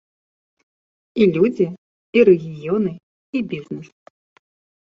І людзі, і рэгіёны, і бізнэс.